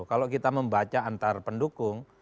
kalau kita membaca antar pendukung